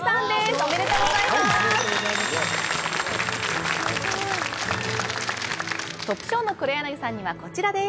おめでとうございますトップ賞の黒柳さんにはこちらです